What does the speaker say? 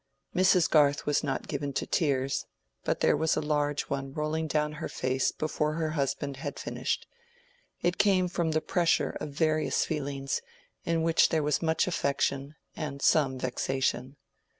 Mrs. Garth was not given to tears, but there was a large one rolling down her face before her husband had finished. It came from the pressure of various feelings, in which there was much affection and some vexation.